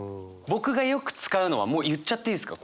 僕がよく使うのはもう言っちゃっていいですか？